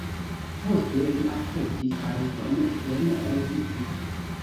Poste li akceptis areston sen rezisti.